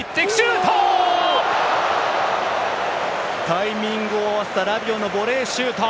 タイミングを合わせたラビオのボレーシュート。